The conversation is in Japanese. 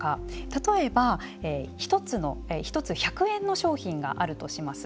例えば１つ１００円の商品があるとします。